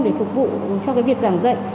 để phục vụ cho cái việc giảng dạy